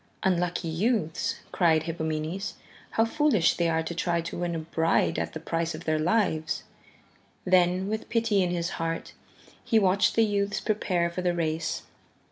"Unlucky youths," cried Hippomenes, "how foolish they are to try to win a bride at the price of their lives." Then, with pity in his heart, he watched the youths prepare for the race.